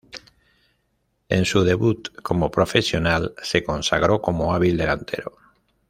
En su debut como profesional, se consagró como hábil delantero.